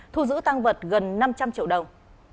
thu giữ tăng vật gần năm trăm linh triệu đồng